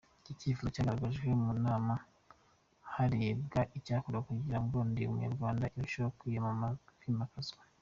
Iki cyifuzo cyagaragajwe mu nama, harebwa icyakorwa kugira ngo Ndi Umunyarwanda irusheho kwimakazwa.